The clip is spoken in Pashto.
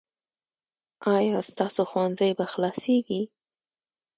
ایا ستاسو ښوونځی به خلاصیږي؟